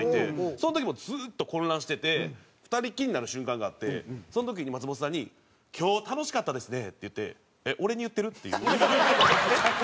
その時もずっと混乱してて２人きりになる瞬間があってその時に松本さんに「今日楽しかったですね」って言って「えっ俺に言ってる？」っていう。